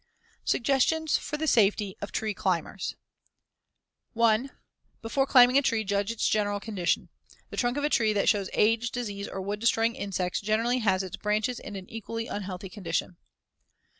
SUGGESTIONS FOR THE SAFETY OF TREE CLIMBERS 1. Before climbing a tree, judge its general condition. The trunk of a tree that shows age, disease, or wood destroying insects generally has its branches in an equally unhealthy condition.